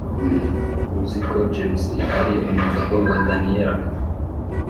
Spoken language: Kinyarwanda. uziko james ari umugabo wa daniella